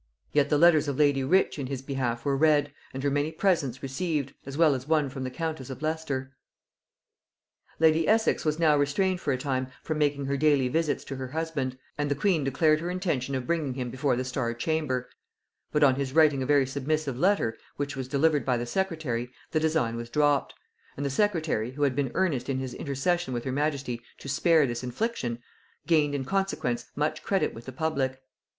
Yet the letters of lady Rich in his behalf were read, and her many presents received, as well as one from the countess of Leicester. Lady Essex was now restrained for a time from making her daily visits to her husband, and the queen declared her intention of bringing him before the Star chamber; but on his writing a very submissive letter, which was delivered by the secretary, the design was dropped; and the secretary, who had been earnest in his intercession with her majesty to spare this infliction, gained in consequence much credit with the public.